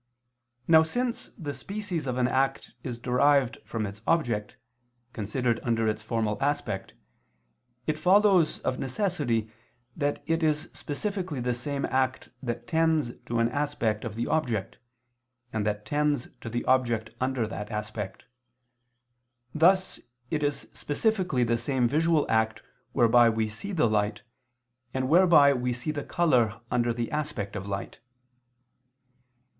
Now since the species of an act is derived from its object, considered under its formal aspect, it follows of necessity that it is specifically the same act that tends to an aspect of the object, and that tends to the object under that aspect: thus it is specifically the same visual act whereby we see the light, and whereby we see the color under the aspect of light.